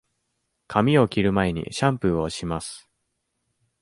髪を切る前にシャンプーをします。